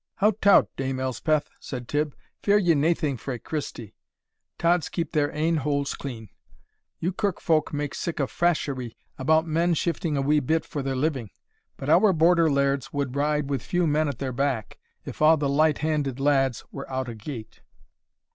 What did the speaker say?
"Hout tout, Dame Elspeth," said Tibb, "fear ye naething frae Christie; tods keep their ain holes clean. You kirk folk make sic a fasherie about men shifting a wee bit for their living! Our Border lairds would ride with few men at their back, if a' the light handed lads were out o' gate."